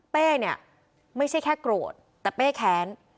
เป้เนี่ยไม่ใช่แค่โกรธแต่เป้แค้น